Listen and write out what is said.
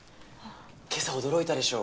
今朝驚いたでしょ